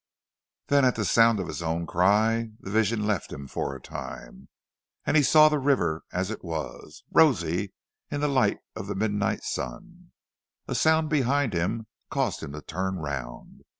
Then at the sound of his own cry, the vision left him for a time, and he saw the river as it was, rosy in the light of the midnight sun. A sound behind him caused him to turn round.